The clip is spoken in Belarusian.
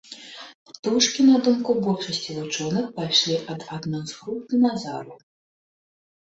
Птушкі, на думку большасці вучоных, пайшлі ад адной з груп дыназаўраў.